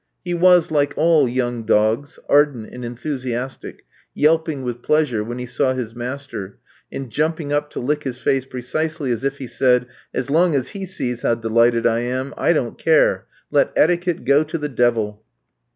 He was, like all young dogs, ardent and enthusiastic, yelping with pleasure when he saw his master, and jumping up to lick his face precisely as if he said: "As long as he sees how delighted I am, I don't care; let etiquette go to the devil!"